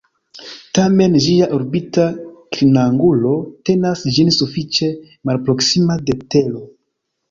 Tamen ĝia orbita klinangulo tenas ĝin sufiĉe malproksima de Tero.